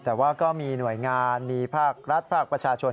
แต่ว่าก็มีหน่วยงานมีภาครัฐภาคประชาชน